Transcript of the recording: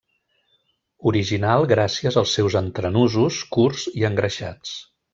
Original gràcies als seus entrenusos curts i engreixats.